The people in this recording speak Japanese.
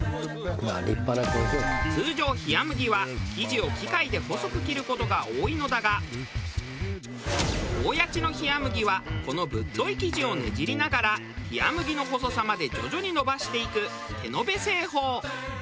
通常冷麦は生地を機械で細く切る事が多いのだが大矢知の冷麦はこのぶっとい生地をねじりながら冷麦の細さまで徐々に延ばしていく手延べ製法。